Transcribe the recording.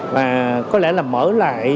và có lẽ là mở lại